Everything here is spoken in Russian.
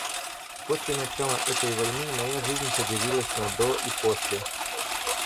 После начала этой войны моя жизнь поделилась на до и после.